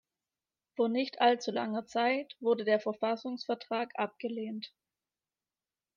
Vor nicht allzu langer Zeit wurde der Verfassungsvertrag abgelehnt.